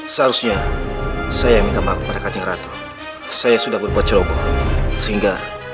seharusnya saya minta maaf kepada kacang ratu saya sudah berbuat ceroboh sehingga